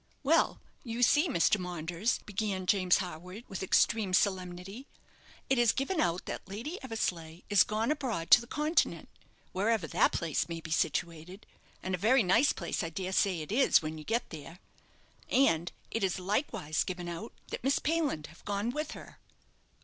"Well, you see, Mr. Maunders," began James Harwood, with extreme solemnity, "it is given out that Lady Eversleigh is gone abroad to the Continent wherever that place may be situated and a very nice place I dare say it is, when you get there; and it is likewise given out that Miss Payland have gone with her."